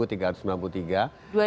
itu ada dua tiga ratus sembilan puluh tiga